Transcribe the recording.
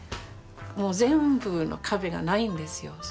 もう全部の壁が無いんですよ。